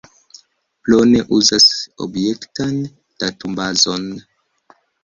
Plone uzas objektan datumbazon.